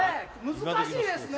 難しいですね。